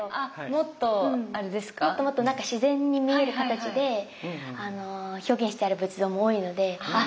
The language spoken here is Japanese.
もっともっと何か自然に見える形で表現してある仏像も多いのであ